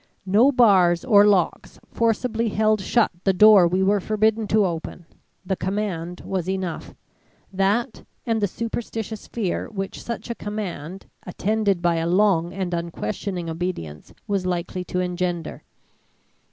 No bars or locks forcibly held shut the door we were forbidden to open. The command was enough; that and the superstitious fear which such a command, attended by a long and unquestioning obedience, was likely to engender.